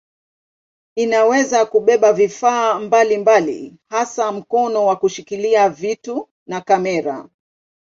Inaweza kubeba vifaa mbalimbali hasa mkono wa kushikilia vitu na kamera.